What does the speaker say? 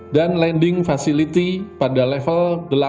dan lending facility pada level delapan